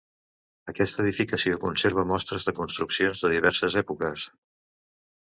Aquesta edificació conserva mostres de construccions de diverses èpoques.